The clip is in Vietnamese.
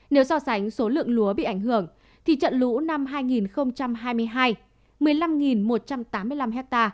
nếu so sánh số lượng lúa bị ảnh hưởng thì trận lũ năm hai nghìn hai mươi hai một mươi năm một trăm tám mươi năm ha